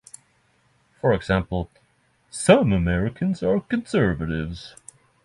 For example, "Some Americans are conservatives".